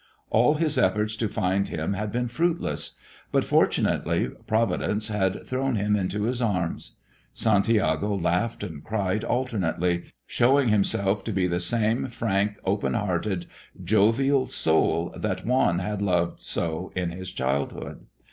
All his efforts to find him had been fruitless; but fortunately Providence had thrown him into his arms. Santiago laughed and cried alternately, showing himself to be the same frank, open hearted, jovial soul that Juan had loved so in his childhood.